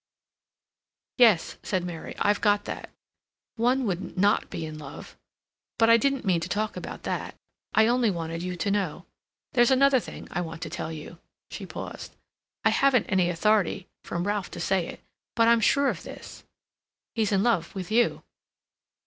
"Yes," said Mary; "I've got that. One wouldn't not be in love.... But I didn't mean to talk about that; I only wanted you to know. There's another thing I want to tell you..." She paused. "I haven't any authority from Ralph to say it; but I'm sure of this—he's in love with you."